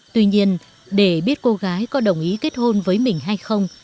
tuy nhiên để biết cô gái có đồng ý kết hôn với mình hay không